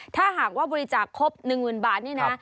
ถ้าหากว่าบริจาคครบ๑๐๐๐บาทนี่นะ